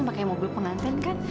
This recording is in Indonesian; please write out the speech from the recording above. pakai mobil pengantin kan